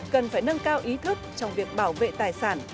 cần phải nâng cao ý thức trong việc bảo vệ tài sản